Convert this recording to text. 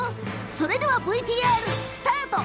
それではＶＴＲ、スタート！